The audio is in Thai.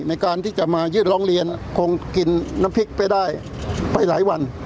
ในการที่จะมายื่นร้องเรียนคงกินน้ำพริกไปได้ไปหลายวัน